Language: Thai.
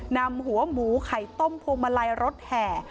นำหัวหมูไข่ต้มพวงมาลัยรถแห่